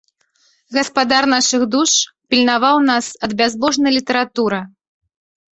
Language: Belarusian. Гаспадар нашых душ пільнаваў нас ад бязбожнай літаратуры.